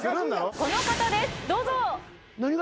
この方ですどうぞ。